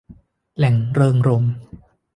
แหล่งเริงรมย์